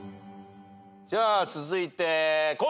じゃあ続いて地君。